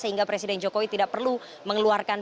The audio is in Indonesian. sehingga presiden jokowi tidak perlu mengeluarkan